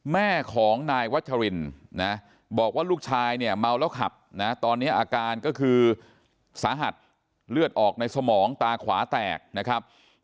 แม่ของนายวัชรินนะบอกว่าลูกชายเนี่ยเมาแล้วขับนะตอนนี้อาการก็คือสาหัสเลือดออกในสมองตาขวาแตกนะครับ